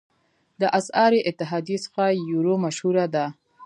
د اسعاري اتحادیو څخه یورو مشهوره ده.